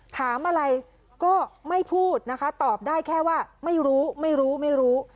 ถามอะไรก็ไม่พูดนะคะตอบได้แค่ว่าไม่รู้ไม่รู้ไม่รู้